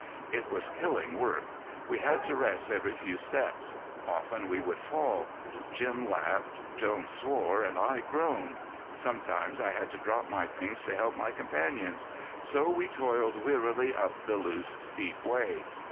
It was killing work. We had to rest every few steps. Often we would fall. Jim laughed, Jones swore, and I groaned. Sometimes I had to drop my things to help my companions. So we toiled wearily up the loose, steep way.